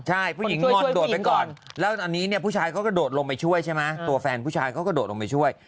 ใช่ผู้หญิงงอนโดดไปก่อนแล้วอันนี้เนี่ยผู้ชายเขาก็โดดลงไปช่วยใช่ไหมตัวแฟนผู้ชายเขาก็โดดลงไปช่วย